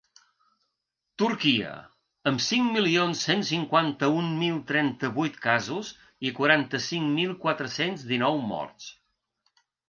Turquia, amb cinc milions cent cinquanta-un mil trenta-vuit casos i quaranta-cinc mil quatre-cents dinou morts.